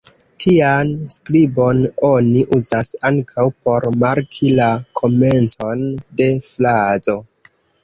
Tian skribon oni uzas ankaŭ por marki la komencon de frazo.